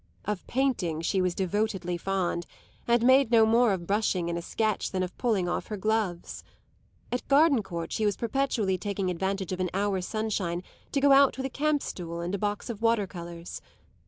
Of painting she was devotedly fond, and made no more of brushing in a sketch than of pulling off her gloves. At Gardencourt she was perpetually taking advantage of an hour's sunshine to go out with a camp stool and a box of water colours.